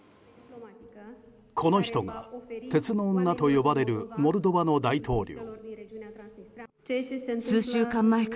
この人が、鉄の女と呼ばれるモルドバの大統領。